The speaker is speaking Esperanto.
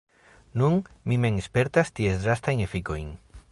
Nun mi mem spertas ties drastajn efikojn.